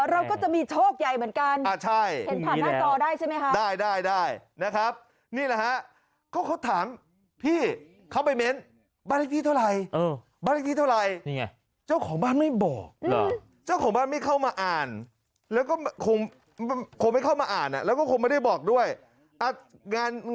เออเราก็จะมีโชคใหญ่เหมือนกัน